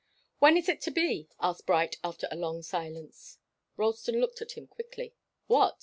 "When is it to be?" asked Bright after a long silence. Ralston looked at him quickly. "What?"